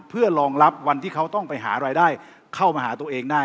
เพื่อรองรับวันที่เขาต้องไปหารายได้เข้ามาหาตัวเองได้